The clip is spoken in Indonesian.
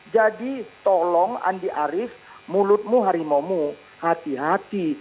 jadi tolong andi arief mulutmu harimau mu hati hati